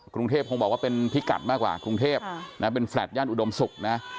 กรุงเทพคงบอกว่าเป็นพิกัดมากกว่ากรุงเทพนะเป็นแฟลต์ย่านอุดมศุกร์นะ